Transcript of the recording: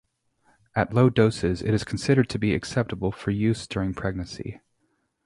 At low doses it is considered to be acceptable for use during pregnancy.